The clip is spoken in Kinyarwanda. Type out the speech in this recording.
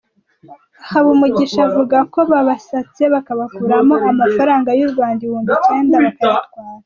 Habumugisha avuga ko babasatse bakabakuramo amafaranga y’u Rwanda ibihumbi icyenda bakayatwara.